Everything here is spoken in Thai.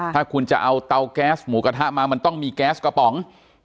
ถ้าคุณจะเอาเตาแก๊สหมูกระทะมามันต้องมีแก๊สกระป๋อง